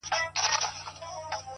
• له سهاره راته ناست پر تش دېګدان دي ,